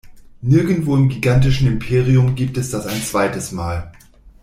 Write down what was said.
Nirgendwo im gigantischen Imperium gibt es das ein zweites Mal.